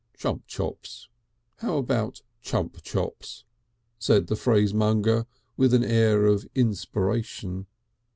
"Chump chops! How about chump chops?" said the phrasemonger with an air of inspiration.